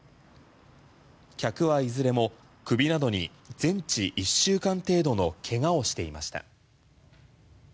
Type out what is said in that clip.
客はいずれも首などに全治１週間程度のけがをしていました。